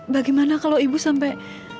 bagaimana kalau ibu sampai